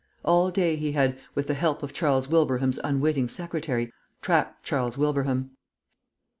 All day he had, with the help of Charles Wilbraham's unwitting secretary, tracked Charles Wilbraham.